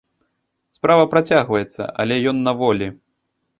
Справа працягваецца, але ён на волі.